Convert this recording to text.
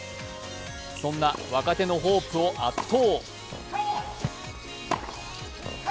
そんな若手のホープを圧倒。